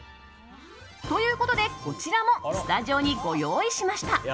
ということで、こちらもスタジオにご用意しました。